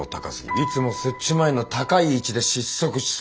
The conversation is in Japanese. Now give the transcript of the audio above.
いつも設置前の高い位置で失速しそうになる。